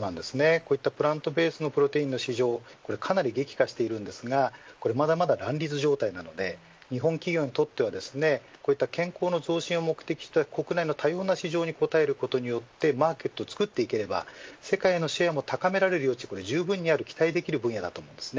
こういったプラントベースのプロテインの市場かなり激化しているんですがまだまだ乱立状態なので日本企業にとってはこういった健康の増進を目的とした国内の多様な市場に応えることでマーケットをつくっていければ世界のシェアも高められる余地もじゅうぶんにある期待できる分野だと思います。